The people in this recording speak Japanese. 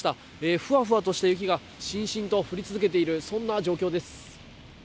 ふわふわとした雪がしんしんと降り続けている、そんな状況です。